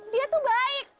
dia tuh baik